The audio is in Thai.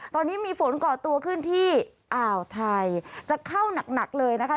ตอนนี้มีฝนก่อตัวขึ้นที่อ่าวไทยจะเข้าหนักเลยนะคะ